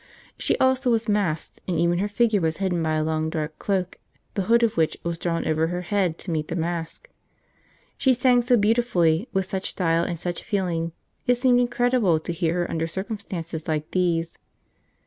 She also was masked, and even her figure was hidden by a long dark cloak the hood of which was drawn over her head to meet the mask. She sang so beautifully, with such style and such feeling, it seemed incredible to hear her under circumstances like these.